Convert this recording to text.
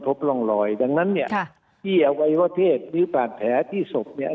พบร่องรอยดังนั้นเนี่ยที่อวัยวะเพศหรือบาดแผลที่ศพเนี่ย